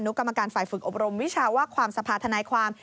กรรมการฝ่ายฝึกอบรมวิชาว่าความสภาธนายความ